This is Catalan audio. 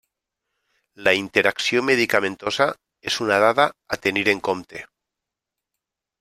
La interacció medicamentosa és una dada a tenir en compte.